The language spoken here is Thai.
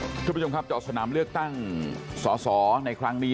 ทุกผู้ผู้ผู้ชมครับจอสนามเลือกตั้งสอสอในครั้งนี้